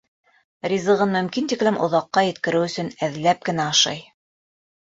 Ризығын мөмкин тиклем оҙаҡҡа еткереү өсөн әҙләп кенә ашай.